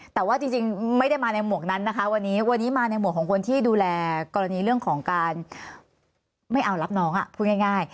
แต่ว่าจริงไม่ได้มาในหมวกนั้นนะคะวันนี้วันนี้มาในหมวกของคนที่ดูแลกรณีเรื่องของการไม่เอารับน้องพูดง่าย